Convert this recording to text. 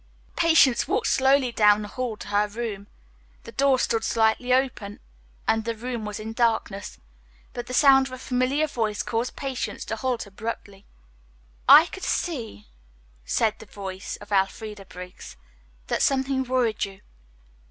Patience walked slowly down the hall to her room. The door stood slightly ajar and the room was in darkness, but the sound of a familiar voice caused Patience to halt abruptly. "I could see," said the voice of Elfreda Briggs, "that something worried you.